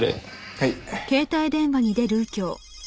はい。